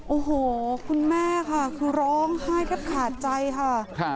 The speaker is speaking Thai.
โอ้โหคุณแม่ค่ะคือร้องไห้แทบขาดใจค่ะ